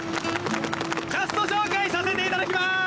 キャスト紹介させていただきます。